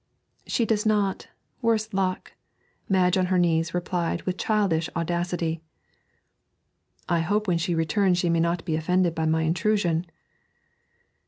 'She does not, worse luck!' Madge on her knees replied with childish audacity. 'I hope when she returns she may not be offended by my intrusion.'